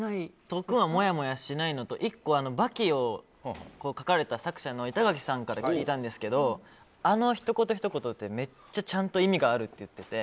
トクンはもやもやしないのとあと１個、「バキ」を描かれた書かれた作者の板垣さんから聞いたんですけどめっちゃちゃんと意味があるって言ってて。